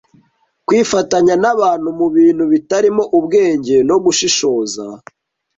Kwifatanya n’abantu mu bintu bitarimo ubwenge no gushishoza